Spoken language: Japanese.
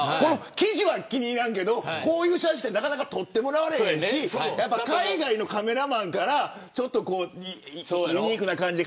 記事は気に入らないけどこういう写真は撮ってもらえないし海外のカメラマンやからユニークな感じで。